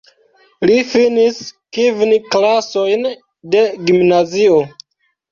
Li finis kvin klasojn de gimnazio.